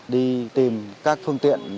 đi tìm các phương tiện